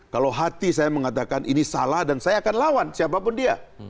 kalau hati saya mengatakan ini salah dan saya akan lawan siapapun dia